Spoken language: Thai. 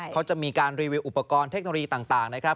เขาจะมีการรีวิวอุปกรณ์เทคโนโลยีต่างนะครับ